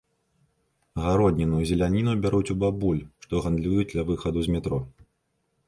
Гародніну і зеляніну бяруць у бабуль, што гандлююць ля выхаду з метро.